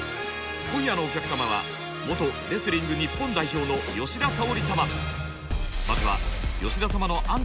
今夜のお客様は元レスリング日本代表の吉田沙保里様。